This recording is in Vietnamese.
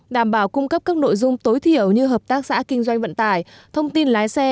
đảm bảo cung cấp các nội dung tối thiểu như hợp tác xã kinh doanh vận tải thông tin lái xe